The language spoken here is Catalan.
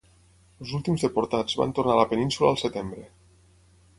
Els últims deportats van tornar a la Península al setembre.